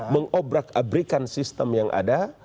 mengobrak abrikan sistem yang ada